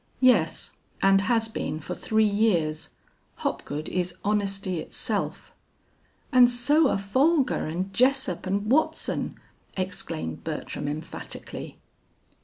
"Yes, and has been for three years. Hopgood is honesty itself." "And so are Folger and Jessup and Watson," exclaimed Bertram emphatically.